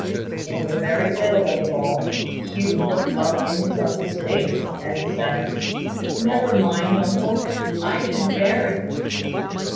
In the very middle of it all, Hugh looked up in his uncle's face, and said, "Never mind, uncle! I can bear it."